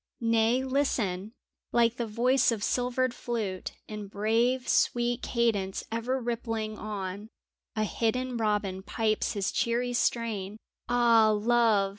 Nay, listen! Like the voice of silvered flute, In brave, sweet cadence ever rippling on, A hidden robin pipes his cheery strain ! Ah, Love